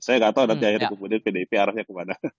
saya nggak tahu nanti akhirnya kemudian pdip arahnya kemana